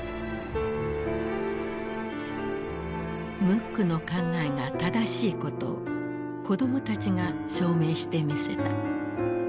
ムックの考えが正しいことを子供たちが証明してみせた。